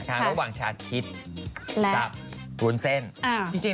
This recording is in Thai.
ทางระหว่างชาติคิดและรุนเส้น